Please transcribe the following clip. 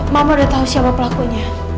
mama udah tahu siapa pelakunya